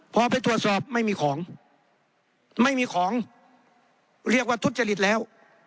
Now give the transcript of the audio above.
พอไปตรวจสอบไม่มีของไม่มีของเรียกว่าทุจริตแล้ว